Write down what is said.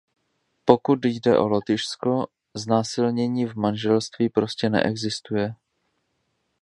Pokud jde o Lotyšsko, znásilnění v manželství prostě neexistuje.